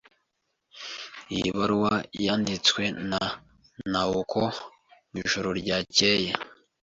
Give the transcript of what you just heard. Iyi baruwa yanditswe na Naoko mwijoro ryakeye.